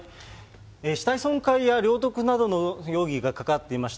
死体損壊や領得などの容疑がかかっています